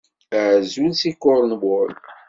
Azul seg Cornwall!